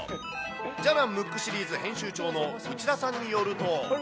じゃらんムックシリーズ編集長の内田さんによると。